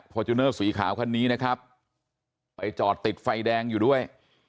จูเนอร์สีขาวคันนี้นะครับไปจอดติดไฟแดงอยู่ด้วย